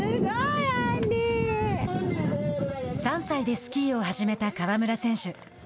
３歳でスキーを始めた川村選手。